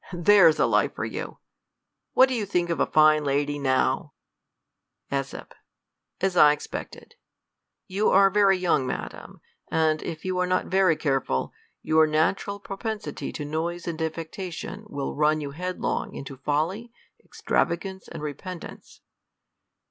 There's a life for you; what do you think of a fine lady now ?^ ^s. As I expected. You are very young, madam, and, if you are not very careful, your natural propensity to noise and affectation will run you headlong into folly, extravagance, and repentance.